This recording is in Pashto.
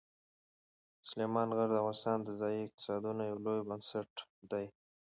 سلیمان غر د افغانستان د ځایي اقتصادونو یو لوی بنسټ دی.